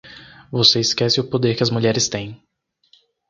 Você esquece o poder que as mulheres têm.